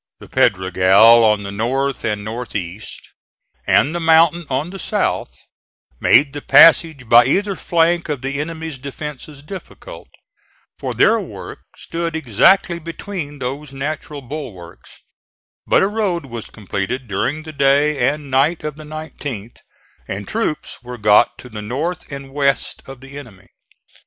The Pedregal on the north and north east, and the mountain on the south, made the passage by either flank of the enemy's defences difficult, for their work stood exactly between those natural bulwarks; but a road was completed during the day and night of the 19th, and troops were got to the north and west of the enemy.